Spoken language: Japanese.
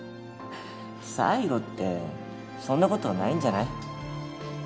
最後ってそんなことないんじゃない？